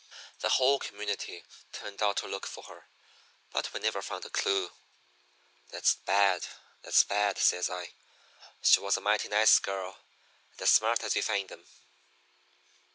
The whole community turned out to look for her, but we never found a clew.' "'That's bad that's bad,' says I. 'She was a mighty nice girl, and as smart as you find em.'